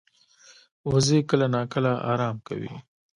وزې کله ناکله آرام کوي